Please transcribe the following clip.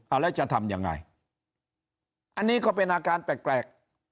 เอาแล้วจะทำยังไงอันนี้ก็เป็นอาการแปลก